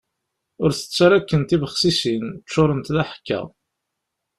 Ur tett ara akken tibexsisin, ččurent d aḥekka.